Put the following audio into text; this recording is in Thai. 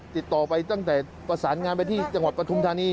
ติดต่อไปตั้งแต่ประสานงานไปที่จังหวัดปฐุมธานี